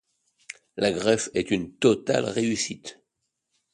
La greffe est une totale réussite.